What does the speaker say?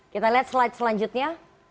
kita lihat slide selanjutnya